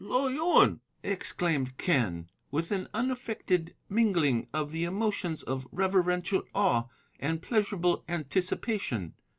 "'Lo Yuen!' exclaimed Quen, with an unaffected mingling of the emotions of reverential awe and pleasureable anticipation.